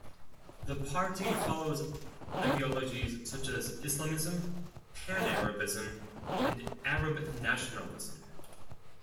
The party follows ideologies such as Islamism, Pan-Arabism, and Arab nationalism.